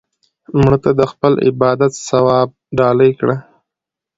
مړه ته د خپل عبادت ثواب ډالۍ کړه